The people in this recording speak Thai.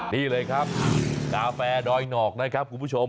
นี่เลยครับกาแฟดอยนอกนะครับคุณผู้ชม